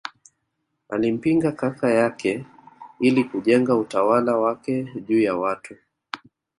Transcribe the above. Alimpinga kaka yake ili kujenga utawala wake juu ya watu